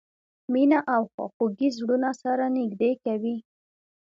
مینه او خواخوږي زړونه سره نږدې کوي.